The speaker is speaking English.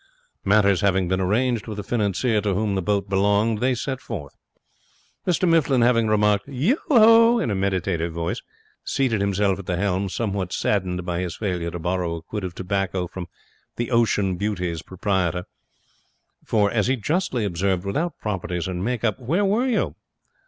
Matters having been arranged with the financier to whom the boat belonged, they set forth. Mr Mifflin, having remarked, 'Yo ho!' in a meditative voice, seated himself at the helm, somewhat saddened by his failure to borrow a quid of tobacco from the Ocean Beauty's proprietor. For, as he justly observed, without properties and make up, where were you?